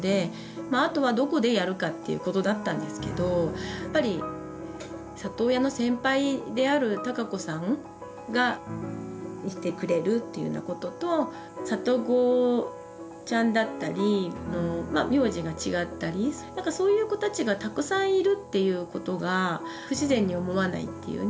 まああとはどこでやるかっていうことだったんですけどやっぱり里親の先輩である孝子さんがいてくれるっていうようなことと里子ちゃんだったりまあ名字が違ったり何かそういう子たちがたくさんいるっていうことが不自然に思わないっていうね。